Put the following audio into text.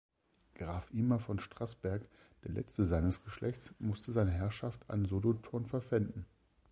Graf Imer von Strassberg, der letzte seines Geschlechts, musste seine Herrschaft an Solothurn verpfänden.